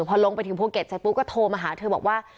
พอลงไปถึงภูเก็ตเสร็จปุ๊บก็โทรมาหาเธอบอกว่า